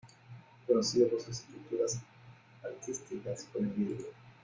Fue conocido por sus estructuras artísticas con el vidrio.